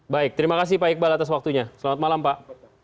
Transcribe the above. baik terima kasih pak iqbal atas waktunya selamat malam pak